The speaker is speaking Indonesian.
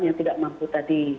yang tidak mampu tadi